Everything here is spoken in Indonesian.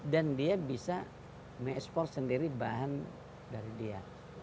dan dia bisa mengekspor sendiri bahan dari dia